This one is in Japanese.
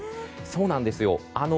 そうなんですよ。